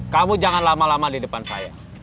kamu jangan lama lama di depan saya